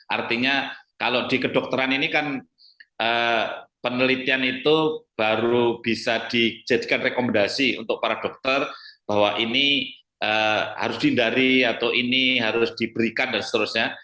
artinya kalau di kedokteran ini kan penelitian itu baru bisa dijadikan rekomendasi untuk para dokter bahwa ini harus dihindari atau ini harus diberikan dan seterusnya